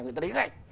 người ta đến ngay